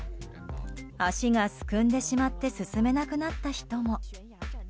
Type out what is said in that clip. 足がすくんでしまって進めなくなった人も。